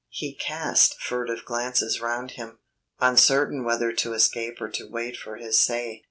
He cast furtive glances round him, uncertain whether to escape or to wait for his say.